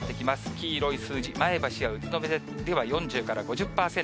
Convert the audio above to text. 黄色い数字、前橋や宇都宮では４０から５０％。